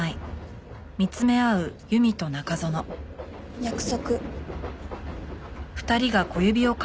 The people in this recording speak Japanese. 約束。